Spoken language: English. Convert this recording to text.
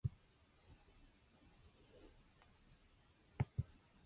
God communed face to face with man in those early days.